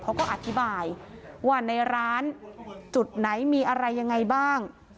เขาก็อธิบายว่าในร้านจุดไหนมีอะไรยังไงบ้าง